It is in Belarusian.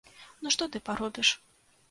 Ну што ты паробіш.